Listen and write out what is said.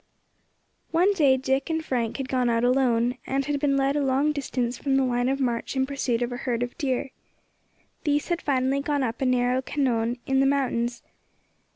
One day Dick and Frank had gone out alone, and had been led a long distance from the line of march in pursuit of a herd of deer. These had finally gone up a narrow cañon in the mountains.